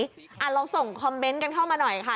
ลองส่งคอมเมนต์กันเข้ามาหน่อยค่ะ